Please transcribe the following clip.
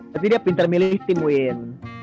tapi dia pintar milih tim win